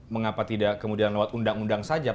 mengapa tidak kemudian lewat undang undang saja